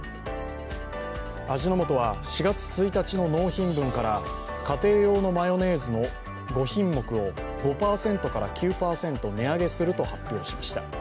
味の素は４月１日の納品分から家庭用のマヨネーズの５品目を５％から９％値上げすると発表しました。